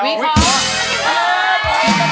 วิคอร์